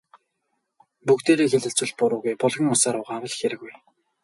Бүгдээрээ хэлэлцвэл буруугүй, булгийн усаар угаавал хиргүй.